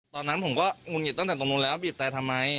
ตอนนั้นผมก็งุดหงิดตั้งแต่ตรงนู้นแล้วบีบแต่ทำไม